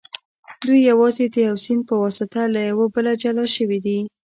دوی یوازې د یوه سیند په واسطه له یو بله جلا شوي دي